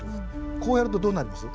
こうやるとどうなります？